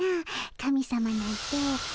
神さまなんていな。